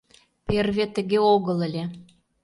Перве тыге огыл ыле.